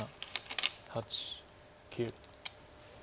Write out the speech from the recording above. ８９。